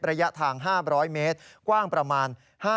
ระยะทาง๕๐๐เมตรกว้างประมาณ